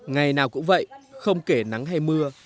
ngày nào cũng vậy không kể nắng hay mưa